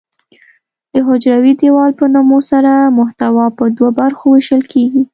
د حجروي دیوال په نمو سره محتوا په دوه برخو ویشل کیږي.